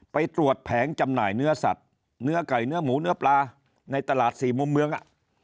ไปตรวจแผงจำหน่ายเนื้อสัตว์เนื้อไก่เนื้อหมูเนื้อปลาในตลาดสี่มุมเมือง